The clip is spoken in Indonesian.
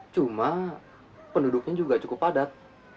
cuma penduduknya juga cukup padat